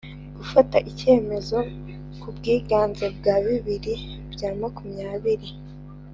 gufata icyemezo ku bwiganze bwa bibiri bya makumyabiri